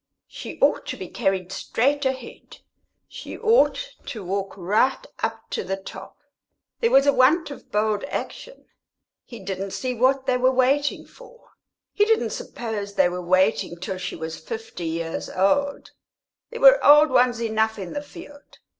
She ought to be carried straight ahead; she ought to walk right up to the top. There was a want of bold action; he didn't see what they were waiting for. He didn't suppose they were waiting till she was fifty years old; there were old ones enough in the field.